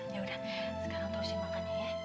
yaudah sekarang terusin makan ya